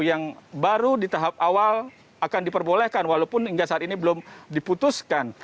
yang baru di tahap awal akan diperbolehkan walaupun hingga saat ini belum diputuskan